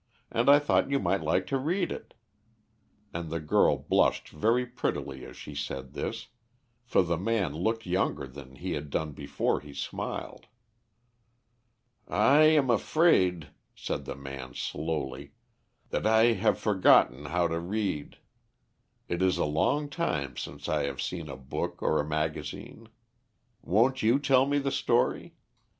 and I thought you might like to read it," and the girl blushed very prettily as she said this, for the man looked younger than he had done before he smiled. "I am afraid," said the man, slowly, "that I have forgotten how to read. It is a long time since I have seen a book or a magazine. Won't you tell me the story?